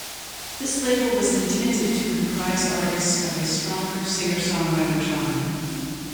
This label was intended to comprise artists of a stronger singer-songwriter genre.